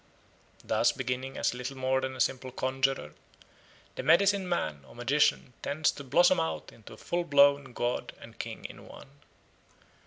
Thus beginning as little more than a simple conjurer, the medicine man or magician tends to blossom out into a full blown god and king in one.